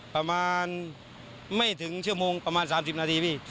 ประมาณเดือนไม่ถึงชั่วโมงประมาณ๓๐นาที